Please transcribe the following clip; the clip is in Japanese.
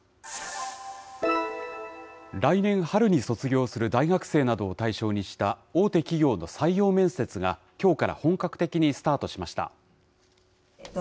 来年春に卒業する大学生などを対象にした大手企業の採用面接がきょうから本格的にスタートしました。